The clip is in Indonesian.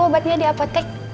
obatnya di apotek